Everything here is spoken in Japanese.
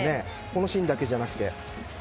このシーンだけじゃなくて。